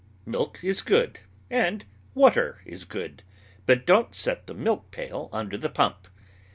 Milk is good, and water is good, but don't set the milk pail under the pump.